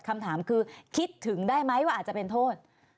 คำถามคือคิดถึงได้ไหมว่าอาจจะเป็นโทษ